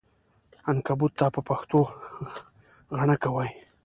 عنکبوت ته په پښتو غڼکه وایې!